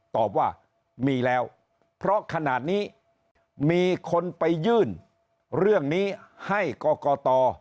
ตอบว่ามีแล้วเพราะขนาดนี้มีคนไปยื่นเรื่องนี้ให้กรกต